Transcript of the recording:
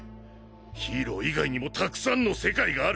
ヒーロー以外にもたくさんの世界がある。